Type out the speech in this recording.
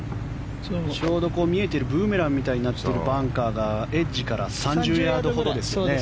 ちょうど見えているブーメランみたいになっているバンカーがエッジから３０ヤードほどですよね。